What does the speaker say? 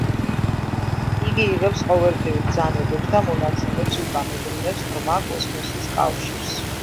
იგი იღებს ყოველდღიურ ბრძანებებს და მონაცემებს უკან უბრუნებს „ღრმა კოსმოსის კავშირს“.